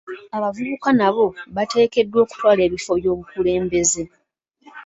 Abavubuka nabo bateekeddwa okutwala ebifo by'obukulembeze.